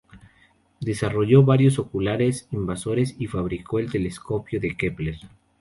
Desarrolló varios oculares inversores y fabricó el telescopio de Kepler.